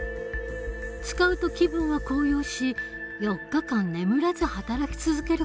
使うと気分は高揚し４日間眠らず働き続ける事もできた。